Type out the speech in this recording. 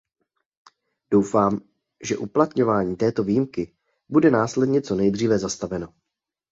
Doufám, že uplatňování této výjimky bude následně co nejdřive zastaveno.